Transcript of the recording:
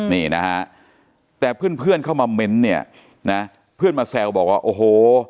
นี่นะฮะแต่เพื่อนเพื่อนเข้ามาเม้นต์เนี่ยนะเพื่อนมาแซวบอกว่าโอ้โห